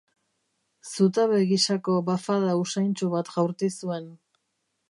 Zutabe gisako bafada usaintsu bat jaurti zuen.